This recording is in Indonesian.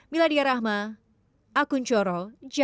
milla diyarahma akun coro jalan jalan men